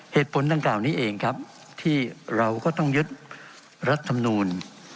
เหตุผลดังกล่าวนี้เองครับที่เราก็ต้องยึดรัฐมนูล